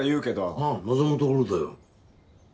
ああ望むところだよ。